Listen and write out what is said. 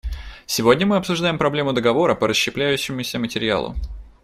Сегодня мы обсуждаем проблему договора по расщепляющемуся материалу.